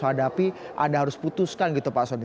hadapi anda harus putuskan gitu pak soni